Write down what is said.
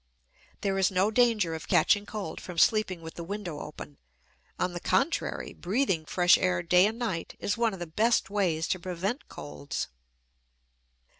There is no danger of catching cold from sleeping with the window open; on the contrary, breathing fresh air day and night is one of the best ways to prevent colds.